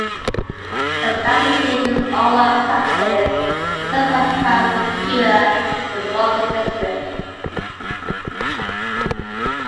Establishing his own law practice, he served as Crown Prosecutor for the northern district.